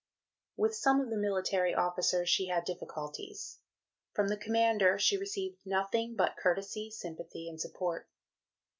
With some of the military officers she had difficulties; from the Commander she received nothing but courtesy, sympathy, and support.